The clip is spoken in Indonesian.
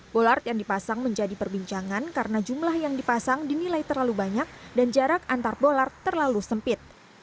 bolart yang dipasang menjadi perbincangan karena jumlah yang dipasang dinilai terlalu banyak dan jarak antar bolart terlalu sempit